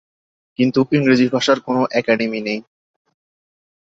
কিন্তু ইংরেজি ভাষার কোনো ‘একাডেমি’ নেই।